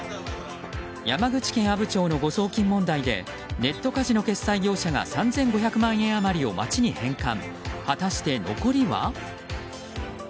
山口県阿武町の誤送金問題でネットカジノ決済業者が３５００万円余りを町に返還。